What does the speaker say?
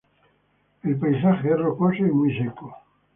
El paisaje es rocoso y muy seco.